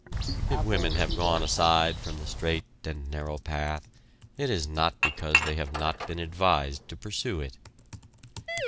If women have gone aside from the straight and narrow path it is not because they have not been advised to pursue it.